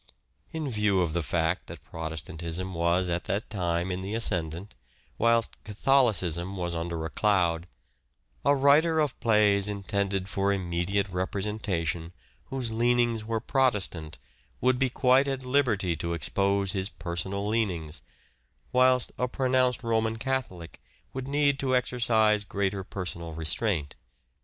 In view of the fact that Protestantism was at that time in the ascendant, whilst Catholicism was under a cloud, a writer of plays intended for immediate represen tation whose leanings were Protestant would be quite at liberty to expose his personal leanings, whilst a pronounced Roman Catholic would need to exercise greater personal restraint.